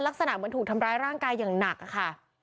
ลักษณะเหมือนถูกทำร้ายร่างกายอย่างหนักค่ะ